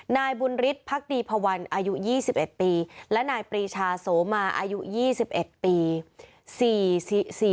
นายบุญฤทธิ์พักดีพวันอายุ๒๑ปีและนายปรีชาโสมาอายุ๒๑ปี